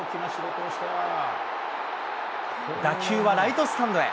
打球はライトスタンドへ。